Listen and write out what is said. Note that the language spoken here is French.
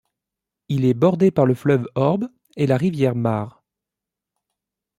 Il est bordé par le fleuve Orb et la rivière Mare.